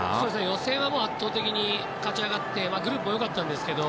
予選は圧倒的に勝ち上がってグループも良かったんですけど。